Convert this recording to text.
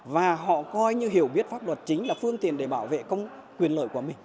và họ coi như hiểu biết pháp luật chính là phương tiền để bảo vệ quyền lợi của mình